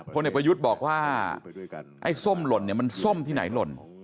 เด็กประยุทธ์บอกว่าไอ้ส้มหล่นเนี่ยมันส้มที่ไหนหล่น